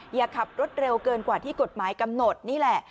อย่าขับรถเร็วเกินกว่าที่กฎหมายกำหนดนี่แหละ